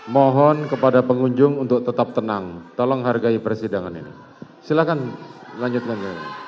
mohon kepada pengunjung untuk tetap tenang tolong hargai persidangan ini silahkan lanjutkan